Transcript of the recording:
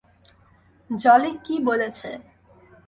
জলি কী বলেছে?